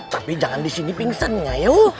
tapi jangan di sini pingsan ya yuk